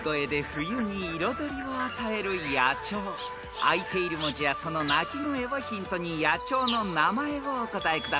［あいている文字やその鳴き声をヒントに野鳥の名前をお答えください］